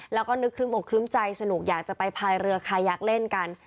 แล้วก็นึกครึ่มอกครึ้มใจสนุกอยากจะไปพายเรือคายักษ์เล่นกัน